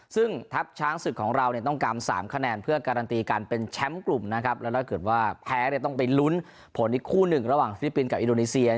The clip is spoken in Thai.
ซึ่งทัพช้างศึกของเราเนี่ยต้องการ๓คะแนนเพื่อการันตีการเป็นแชมป์กลุ่มนะครับแล้วถ้าเกิดว่าแพ้เนี่ยต้องไปลุ้นผลอีกคู่หนึ่งระหว่างฟิลิปปินสกับอินโดนีเซีย